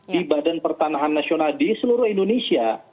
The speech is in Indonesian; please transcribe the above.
di badan pertanahan nasional di seluruh indonesia